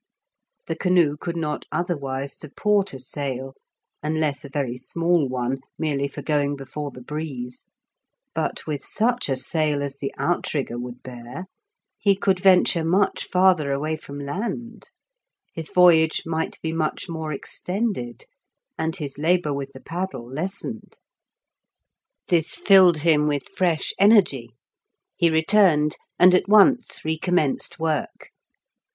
The canoe could not otherwise support a sail (unless a very small one merely for going before the breeze), but with such a sail as the outrigger would bear, he could venture much farther away from land, his voyage might be much more extended, and his labour with the paddle lessened. This filled him with fresh energy; he returned, and at once recommenced work.